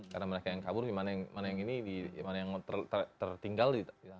karena mereka yang kabur mana yang ini mana yang tertinggal